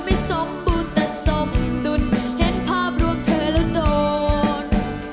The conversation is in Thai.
ไม่สมบูรณ์แต่สมดุลเห็นภาพรวมเธอแล้วโดน